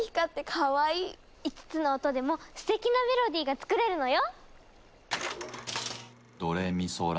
５つの音でもすてきなメロディーが作れるのよ！